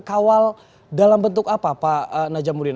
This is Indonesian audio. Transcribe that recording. kawal dalam bentuk apa pak najamuddin